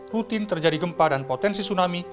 rutin terjadi gempa dan potensi tsunami